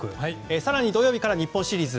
更に土曜日から日本シリーズ。